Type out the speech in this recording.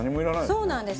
そうなんです。